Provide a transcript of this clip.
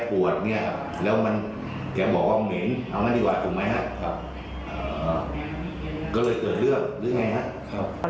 ก็เลยเกิดเรื่องรึไงฮะ